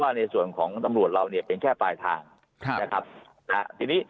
ในส่วนของตำรวจเราเนี่ยเป็นแค่ปลายทางครับนะครับนะฮะทีนี้